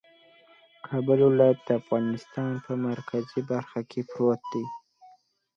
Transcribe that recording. کابل ولایت د افغانستان په مرکزي برخه کې پروت دی